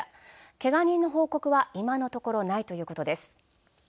けが人の報告は今のところないということです。